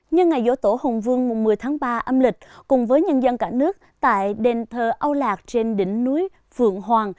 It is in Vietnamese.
nhân ngày dỗ tổ hồng vương một mươi tháng ba âm lịch cùng với nhân dân cả nước tại đền thơ âu lạc trên đỉnh núi phượng hoàng